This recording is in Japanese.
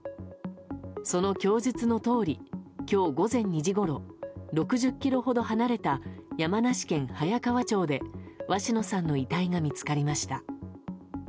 その供述のとおり今日午前２時ごろ６０ｋｍほど離れた山梨県早川町で鷲野さんの遺体が見つかりました。